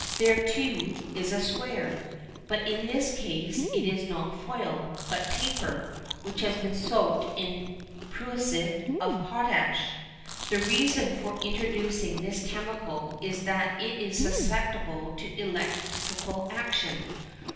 There, too, is a square, but in this case it is not foil, but paper which has been soaked in prussiate of potash. The reason for introducing this chemical is that it is susceptible to electrical action.